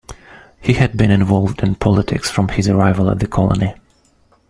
He had been involved in politics from his arrival at the Colony.